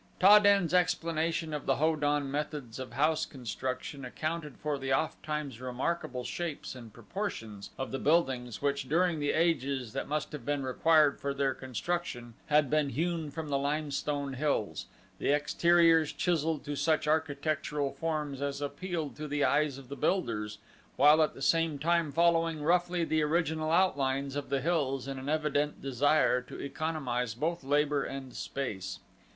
Ta den's explanation of the Ho don methods of house construction accounted for the ofttimes remarkable shapes and proportions of the buildings which, during the ages that must have been required for their construction, had been hewn from the limestone hills, the exteriors chiseled to such architectural forms as appealed to the eyes of the builders while at the same time following roughly the original outlines of the hills in an evident desire to economize both labor and space.